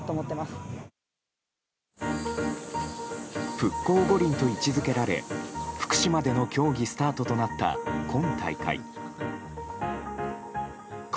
復興五輪と位置付けられ福島での競技スタートとなった今大会。